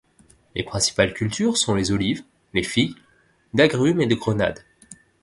Les principales cultures sont les olives, les figues, d'agrumes et de grenades.